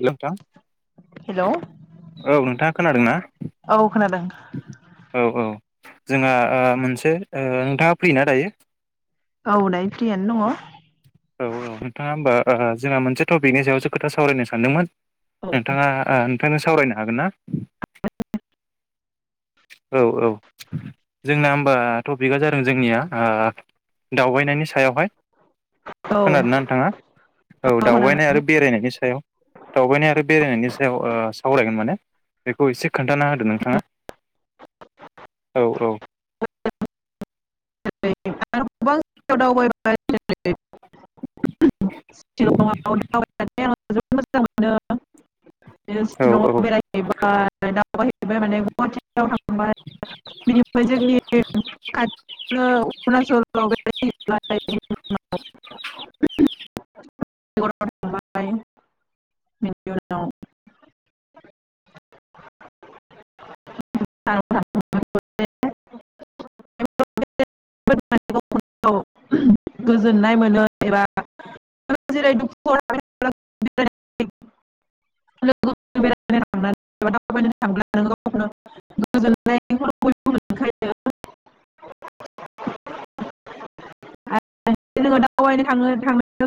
हेल' नोंथां हेलौ औ नोंथाङा खोनादोंना औ खोनादों जोंङो ओ मोनसे ओ नोंथाङा फ्रि ना दायो औ दायो फ्रियानो दङ औ औ नोंथाङा होमबा ओ जोंहा मोनसे टपिकनि सायावसो खोथा सावरायनो सानदोंमोन औ नोंथाङा ओ नोंथांनो सावरायनो हागोन ना [inaudible] औ औ जोंना होमबा टपिकआ जादों जोंनिया ओ दावबायनायनि सायावहाय औ खोनादोंना नोंथाङा औ खोनादों दावबायनाय आरो बेरायनायनि सा सायाव दावबायनाय आरो बेरायनायनि सायाव ओ सावरायगोन माने बेखौ एसे खोन्थाना होदो नोंथाङा औ औ [unintelligible] [unintelligible] दावबायनानै आं जोबोद मोजां मोनो बिदिनो औ औ सिलंआव बेरायहैबाय दावबायैबाय माने गुवाहाटी फोराव थांबाय [inaudible] बेनिफ्राय जोंनि खाथि [unintelligible] अरुणचल [unintelligible] [inaudible] [unintelligible] [unintelligible] [unintelligible] [unintelligible] [unintelligible] [unintelligible] जोङो दावबायनो थाङो [unintelligible]